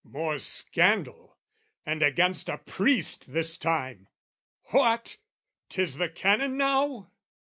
" More scandal, and against a priest this time! "What, 'tis the Canon now?"